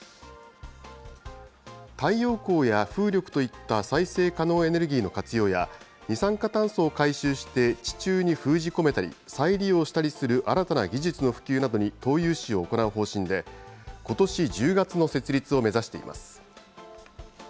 太陽光や風力といった再生可能エネルギーの活用や、二酸化炭素を回収して地中に封じ込めたり、再利用したりする新たな技術の普及などに投融資を行う方針で、ことし１０月の設立を目指しています。